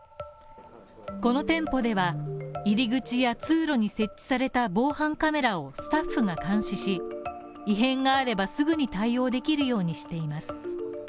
この店舗では、入り口や通路に設置された防犯カメラをスタッフが監視し、異変があればすぐに対応できるようにしています。